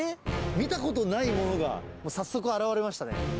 見たことないものが、早速現れましたね。